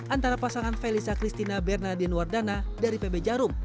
antara pasangan felisa christina bernardin wardana dari pb jarum